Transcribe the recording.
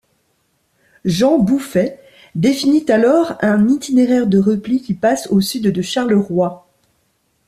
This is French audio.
Jean Bouffet définit alors un itinéraire de repli qui passe au sud de Charleroi.